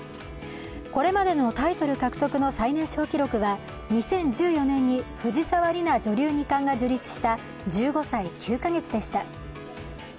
これまでのタイトル獲得の最年少記録は２０１４年に藤沢里菜女流二冠が樹立した１５歳９か月でした。